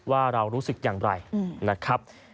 ว่าเรารู้สึกอย่างไรนะครับ